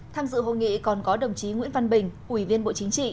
tham dự hội nghị còn có đồng chí nguyễn văn bình ủy viên bộ chính trị